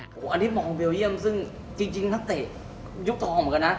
โอ้โหอันนี้มองเบลเยี่ยมซึ่งจริงนักเตะยุคทองเหมือนกันนะ